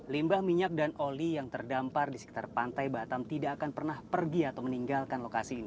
limbah minyak dan oli yang terdampar di sekitar pantai batam tidak akan pernah pergi atau meninggalkan lokasi ini